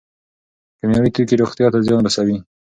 کیمیاوي توکي روغتیا ته زیان رسوي.